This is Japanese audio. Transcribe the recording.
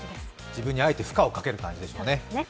自分にあえて負荷をかける感じですね。